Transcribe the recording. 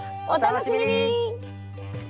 お楽しみに！